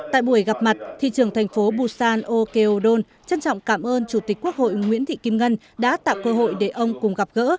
tại buổi gặp mặt thị trường thành phố busan okyodon trân trọng cảm ơn chủ tịch quốc hội nguyễn thị kim ngân đã tạo cơ hội để ông cùng gặp gỡ